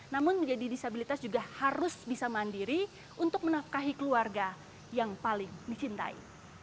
namun menjadi disabilitas juga harus bisa mandiri untuk menafkahi keluarga yang paling dicintai